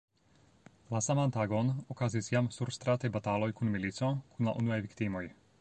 La saman tagon okazis jam surstrataj bataloj kun milico, kun la unuaj viktimoj.